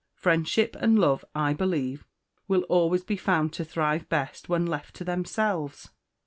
Friendship and love, I believe, will always be found to thrive best when left to themselves."